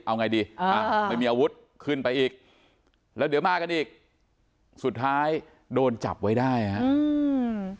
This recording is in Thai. เอาไงดีอ่าไม่มีอาวุธขึ้นไปอีกแล้วเดี๋ยวมากันอีกสุดท้ายโดนจับไว้ได้ฮะอืม